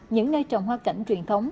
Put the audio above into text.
những nơi trồng hoa cảnh truyền thống